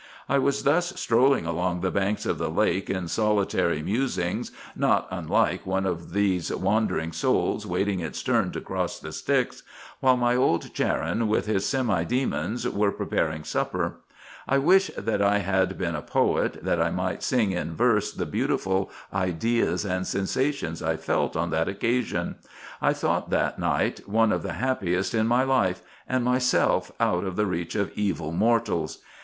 I was thus 382 RESEARCHES AND OPERATIONS strolling along the banks of the lake in solitary musing, not unlike one of these wandering souls waiting its turn to cross the Styx, while my old Charon with his semi demons were preparing supper. I wish that I had been a poet, that I might sing in verse the beautiful ideas and sensations I felt on that occasion. I thought that night one of the happiest in my life, and myself out of the reach of evil mortals.